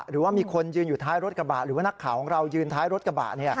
หรือว่ามีคนยืนอยู่ท้ายรถกระบะหรือว่านักข่าวของเรายืนท้ายรถกระบะ